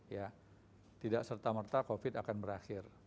ya tidak serta merta covid akan berakhir